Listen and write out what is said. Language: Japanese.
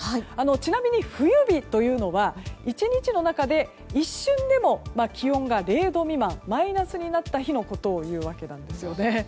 ちなみに、冬日というのは１日の中で一瞬でも、気温が０度未満マイナスになった日のことをいうわけなんですね。